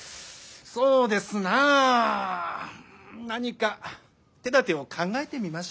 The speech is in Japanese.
そうですなあ何か手だてを考えてみましょう。